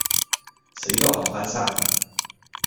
死都拗返生